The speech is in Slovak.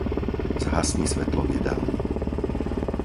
Zhasni svetlo v jedálni.